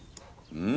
うん？